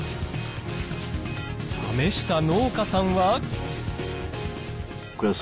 試した農家さんは。